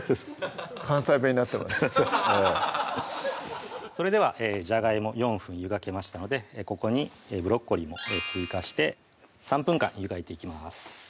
関西弁になってましたそれではじゃがいも４分湯がきましたのでここにブロッコリーも追加して３分間湯がいていきます